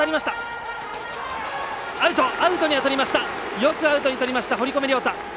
よくアウトとれました堀米涼太！